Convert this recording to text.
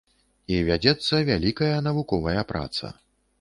І вядзецца вялікая навуковая праца.